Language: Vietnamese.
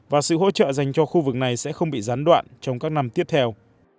và sự hỗ trợ dành cho khu vực này sẽ không bị gián đoạn trong các năm tiếp theo